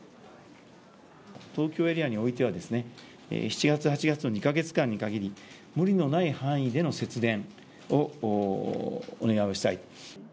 東京エリアにおいては、７月、８月の２か月間にかぎり、無理のない範囲での節電をお願いをしたい。